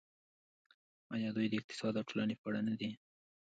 آیا دوی د اقتصاد او ټولنې په اړه نه دي؟